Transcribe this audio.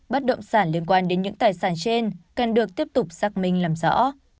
bất động sản liên quan đến những tài sản trên cần được tiếp tục xác minh làm rõ